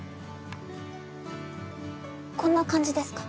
こんな感じですか？